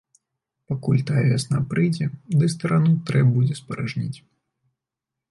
Пакуль тая вясна прыйдзе ды старану трэ будзе спаражніць.